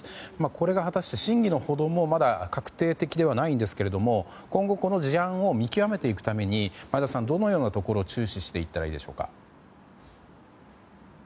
これが果たして真偽のほども確定的ではないんですが今後、この事案を見極めていくためにどのようなところを注視すればいいでしょうか。